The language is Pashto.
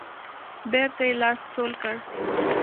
بیرته یې لاس ټول کړ.